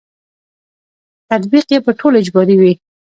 تطبیق یې په ټولو اجباري وي.